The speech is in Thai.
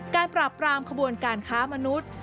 ปราบรามขบวนการค้ามนุษย์